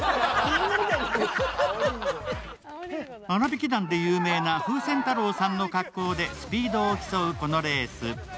「あらびき団」で有名な風船太郎さんの格好でスピードを競うこのレース。